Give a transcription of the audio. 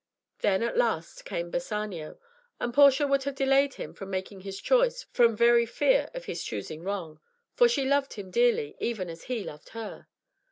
Then at last came Bassanio, and Portia would have delayed him from making his choice from very fear of his choosing wrong. For she loved him dearly, even as he loved her.